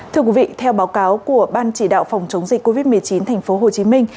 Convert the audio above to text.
thưa quý vị theo báo cáo của ban chỉ đạo phòng chống dịch covid một mươi chín thành phố hồ chí minh